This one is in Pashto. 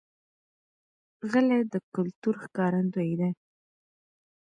غلۍ د کلتور ښکارندوی ده.